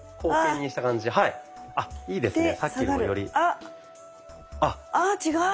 あああ違う！